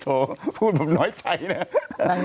โถพูดแบบน้อยใจนะ